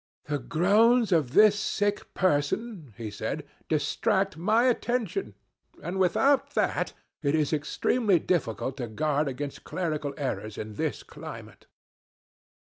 'The groans of this sick person,' he said, 'distract my attention. And without that it is extremely difficult to guard against clerical errors in this climate.'